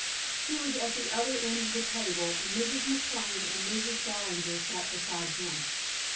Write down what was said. She was at the other end of the table and Mrs. McLane and Mrs. Ballinger sat beside him.